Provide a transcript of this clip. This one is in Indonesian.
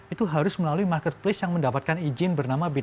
itu harus melalui marketplace yang mendapatkan izin bernama binatang